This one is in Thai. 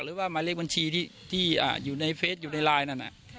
หรือว่าหมายเลขบัญชีที่อยู่ในเฟสอยู่ในไลน์นั่น